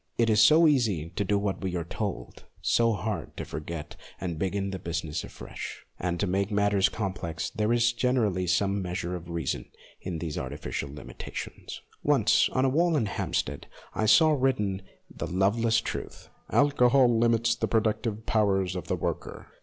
It is so easy to do what we are told, so hard to forget and begin the business afresh. And, to make the matter complex, there is generally some measure of reason in these artificial limita tions. Once on a wall at Hampstead I saw written the loveless truth, " Alcohol limits the productive powers of the worker."